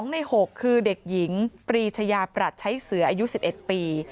ใน๖คือเด็กหญิงปรีชายาปรัชใช้เสืออายุ๑๑ปี